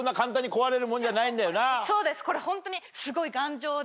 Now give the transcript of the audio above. そうですこれホントに。